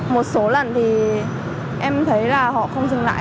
một số lần thì em thấy là họ không dừng lại